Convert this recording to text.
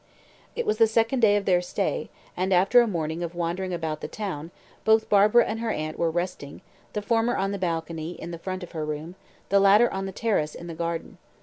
It was the second day of their stay, and after a morning of wandering about the town, both Barbara and her aunt were resting, the former on the balcony in front of her room, the latter on the terrace in the garden.